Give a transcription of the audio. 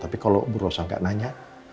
tapi kalau bu rosa gak nanya